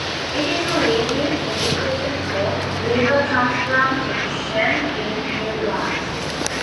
It is a leading indication for liver transplantation in newborns.